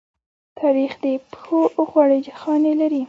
تاریخ د پښو غوړې خاڼې لري.